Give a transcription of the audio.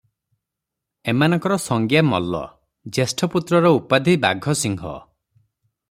ଏମାନଙ୍କର ସଂଜ୍ଞା ମଲ୍ଲ, ଜ୍ୟେଷ୍ଠପୁତ୍ରର ଉପାଧି ବାଘସିଂହ ।